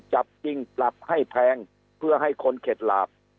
จับจริงปรับให้แพงเพื่อให้คนเข็ดหลาบ